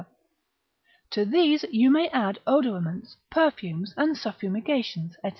To these you may add odoraments, perfumes, and suffumigations, &c.